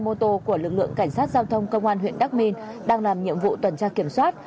mô tô của lực lượng cảnh sát giao thông công an huyện đắc minh đang làm nhiệm vụ tuần tra kiểm soát